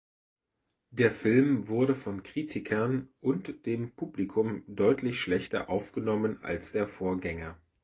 Der Film wurde von Kritikern und dem Publikum deutlich schlechter aufgenommen als der Vorgänger.